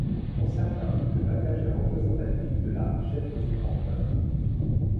Pour certains, le bagage est représentatif de la richesse de son porteur.